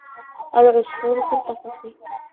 الْعَصْفُورُ فِي الْقَفَصِ.